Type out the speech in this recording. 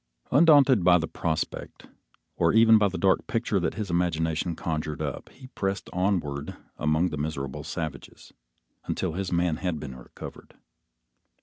Undaunted by the prospect, or even by the dark picture that his imagination conjured up, he pressed onward among the miserable savages, until his man had been recovered.